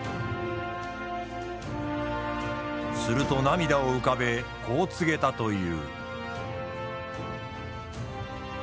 すると涙を浮かべこう告げたという。